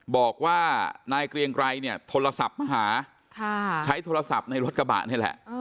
บอกว่านายเกรียงไกรเนี่ยโทรศัพท์มาหาใช้โทรศัพท์ในรถกระบะนี่แหละ